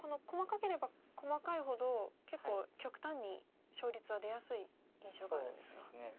細かければ細かいほど結構極端に勝率は出やすい印象があるんですが。